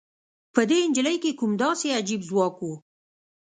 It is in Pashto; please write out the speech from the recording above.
په دې نجلۍ کې کوم داسې عجيب ځواک و؟